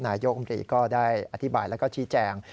นายกรรมตรีก็ได้อธิบายแล้วก็ชี้แจง